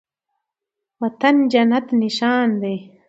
وطن جنت نښان دی